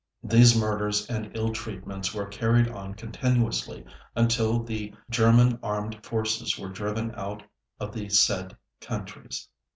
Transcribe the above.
These murders and ill treatments were carried on continuously until the German Armed Forces were driven out of the said countries.